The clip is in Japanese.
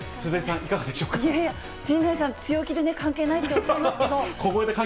いやいや、陣内さん、強気で小声で関係ないっておっしゃってますけど。